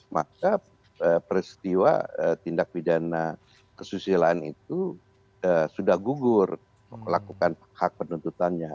maka peristiwa tindak pidana kesusilaan itu sudah gugur lakukan hak penuntutannya